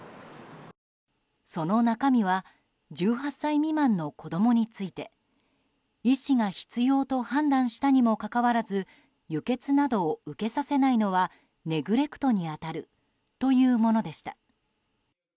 その中身は１８歳未満の子供について医師が必要と判断したにもかかわらず輸血などを受けさせないのはネグレクトに当たるというものでした。